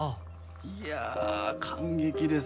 いやあ感激です！